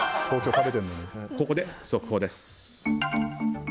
ここで速報です。